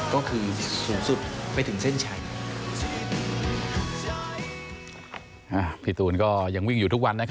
ก็คือสูงสุดไปถึงเส้นชัย